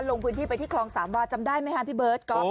ลงพื้นที่ไปที่คลองสามวาจำได้ไหมครับพี่เบิร์ตก๊อฟ